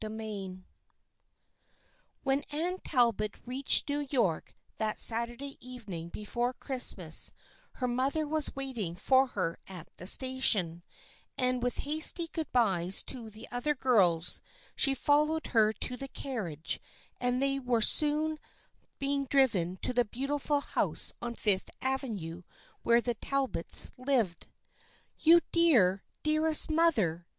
CHAPTER XIII WHEN Anne Talbot reached New York that Saturday evening before Christmas her mother was waiting for her at the station, and with hasty good byes to the other girls she fol lowed her to the carriage and they were soon being driven to the beautiful house on Fifth Avenue where the Talbots lived. " You dear, dearest mother